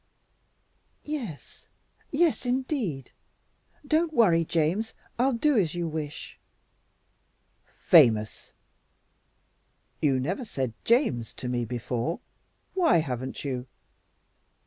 "Yes, yes indeed! Don't worry, James. I'll do as you wish." "Famous! You never said 'James' to me before. Why haven't you?"